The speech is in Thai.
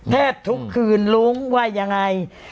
แทบทุกคืนรู้ว่ายังไง